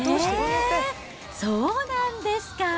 そうなんですか。